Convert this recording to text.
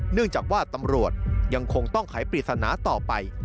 เนื่องจากว่าตำรวจยังคงต้องไขปริศนาต่อไป